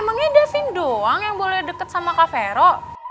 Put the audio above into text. emangnya devin doang yang boleh deket sama kak vero